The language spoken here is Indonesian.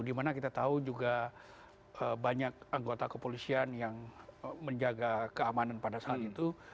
dimana kita tahu juga banyak anggota kepolisian yang menjaga keamanan pada saat itu